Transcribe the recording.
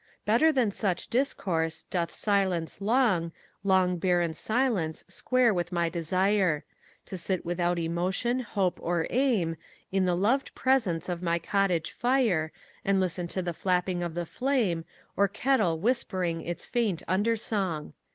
Better than such discourse doth silence long, Long, barren silence, square with my desire; To sit without emotion, hope, or aim, In the loved presence of my cottage fire, And listen to the flapping of the flame, Or kettle whispering its faint undersong.